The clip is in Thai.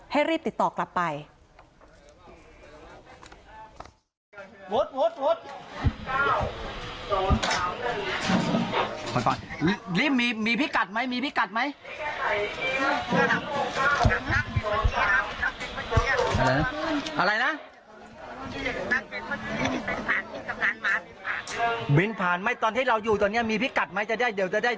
รีบติดต่อกลับไป